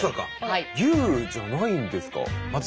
牛じゃないんですか？